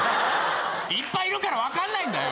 いっぱいいるから分かんないんだよ。